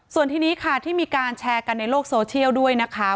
ส่วนทีนี้ค่ะที่มีการแชร์กันในโลกโซเชียลด้วยนะคะ